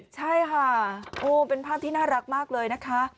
ใช่ค่ะโอ้เป็นภาพที่น่ารักมากเลยนะคะ